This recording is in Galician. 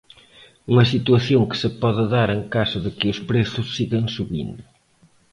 Unha situación que se pode dar en caso de que os prezos sigan subindo.